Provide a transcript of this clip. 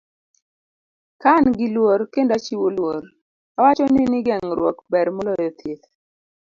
Ka an gi luor kendo achiwo luor, awachonu ni geng'ruok ber moloyo thieth.